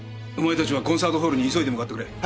お前たちはコンサートホールに急いで向かってくれ。